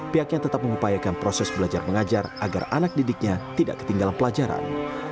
pihaknya tetap mengupayakan proses belajar mengajar agar anak didiknya tidak ketinggalan pelajaran